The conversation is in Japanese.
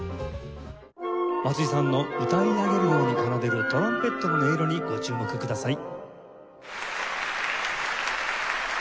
松井さんの歌い上げるように奏でるトランペットの音色にご注目ください。